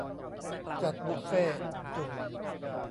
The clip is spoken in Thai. จัดบุฟเฟ่ต์จุก